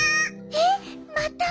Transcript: えっまた？